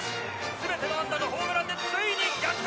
全ての安打がホームランでついに逆転！